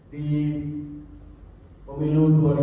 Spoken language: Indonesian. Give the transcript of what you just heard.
dan memiliki kekuasaan